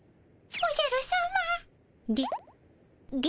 おじゃるさま！